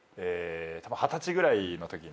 二十歳ぐらいのときに。